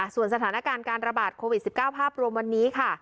ส่วนสถานการณ์การระบาดโควิด๑๙ภาพรวมวันนี้ค่ะ